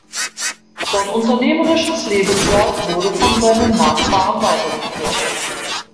Sein unternehmerisches Lebenswerk wurde von seinen Nachfahren weitergeführt.